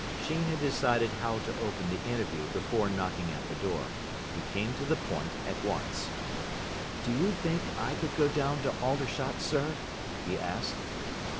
Sheen had decided how to open the interview before knocking at the door. He came to the point at once. "Do you think I could go down to Aldershot, sir?" he asked.